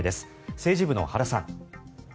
政治部の原さん。